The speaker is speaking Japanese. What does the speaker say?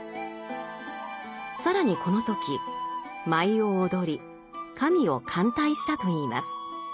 更にこの時舞を踊り神を歓待したといいます。